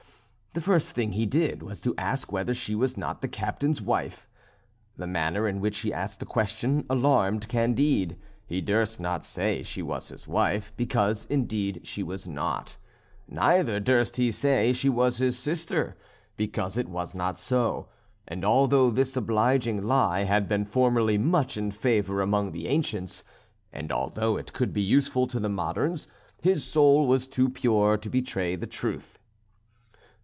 The first thing he did was to ask whether she was not the captain's wife. The manner in which he asked the question alarmed Candide; he durst not say she was his wife, because indeed she was not; neither durst he say she was his sister, because it was not so; and although this obliging lie had been formerly much in favour among the ancients, and although it could be useful to the moderns, his soul was too pure to betray the truth.